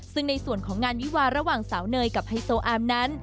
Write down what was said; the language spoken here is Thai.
ซึ่งในส่วนของงานวิวาระหว่างสาวเนยกับไฮโซอามนั้น